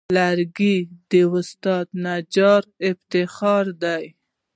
لرګی د استاد نجار افتخار دی.